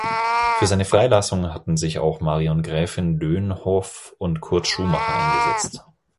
Für seine Freilassung hatten sich auch Marion Gräfin Dönhoff und Kurt Schumacher eingesetzt.